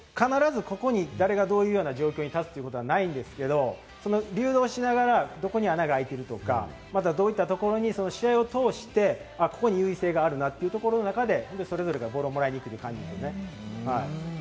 必ずどこに誰が、どういう状況にたつというのはないんですけれども、流動しながらどこに穴が開いてるとか、どういったところに試合を通して、ここに優位性があるなということを考えて、それぞれがボールをもらいに行く感じです。